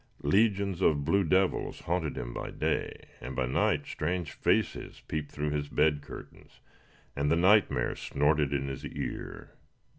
Legions of blue devils haunted him by day, and by night strange faces peeped through his bed curtains and the nightmare snorted in his ear.